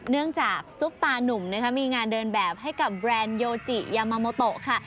เนื่องจากซุปตานุ่มนะคะมีงานเดินแบบให้กับแบรนด์โยจิยามาโมโตค่ะ